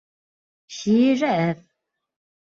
Şîr e ev?